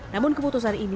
namun keputusan ini